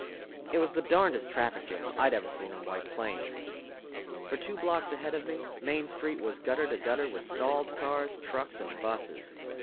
_ It was the darnedest traffic jam I'd ever seen in White Plains. For two blocks ahead of me, Main Street was gutter to gutter with stalled cars, trucks and buses.